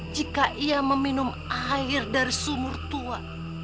jika ia meminum air dari sumur tua